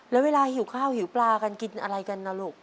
แล้วเวลาหิวข้าวหิวปลากันกินอะไรกันนะลูก